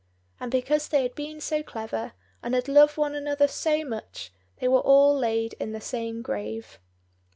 And because they had been so clever, and had loved one another so much, they were all laid in the same grave.